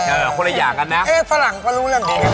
เออคนละอย่างกันนะฝรั่งก็รู้เรื่องของ